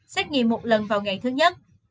xét nghiệm một lần vào ngày thứ nhất